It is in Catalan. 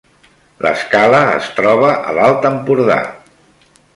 l’Escala es troba a l’Alt Empordà